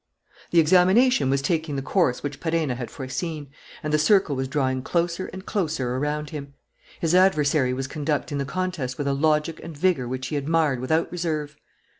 The examination was taking the course which Perenna had foreseen; and the circle was drawing closer and closer around him. His adversary was conducting the contest with a logic and vigour which he admired without reserve.